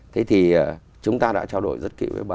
thế thì chúng ta đã trao đổi rất kỹ với bà